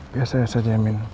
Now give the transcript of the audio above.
biar saya saja yamin